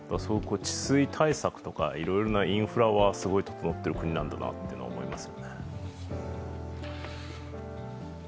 治水対策とか、いろいろなインフラはすごい整っている国なんだなと思います。